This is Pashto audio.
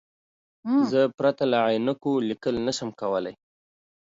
زه پرته له عینکو لیکل نشم کولای.